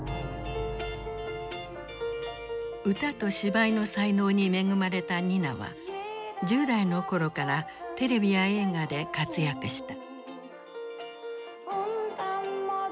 歌と芝居の才能に恵まれたニナは１０代の頃からテレビや映画で活躍した。